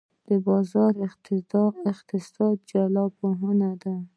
د بازار اقتصاد یو جلا مفهوم دی.